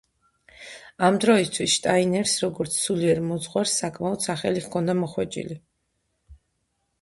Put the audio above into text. ამ დროისთვის შტაინერს, როგორც სულიერ მოძღვარს, საკმაო სახელი ჰქონდა მოხვეჭილი.